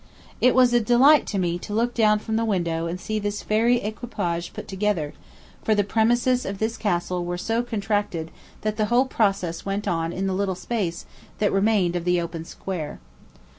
It was a delight to me to look down from the window and see this fairy equipage put together; for the premises of this castle were so contracted that the whole process went on in the little space that remained of the open square.